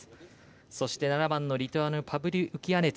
そして７番のリトアニアのパブリウキアネツ。